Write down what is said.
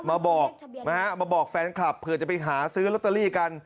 มาบอกนะฮะมาบอกแฟนคลับเผื่อจะไปหาซื้อลอตเตอรี่กัน